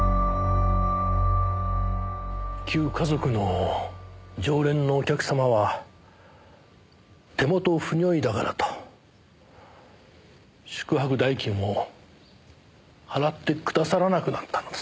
旧華族の常連のお客様は手元不如意だからと宿泊代金を払ってくださらなくなったのです。